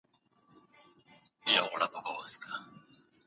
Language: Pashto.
ایا ته په انګلیسي ژبه خبري کولای سې؟